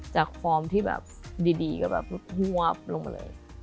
จากความที่แบบดีก็แบบฮวบลงมาเลย